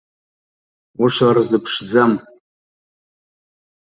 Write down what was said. Ушырзыԥшӡам.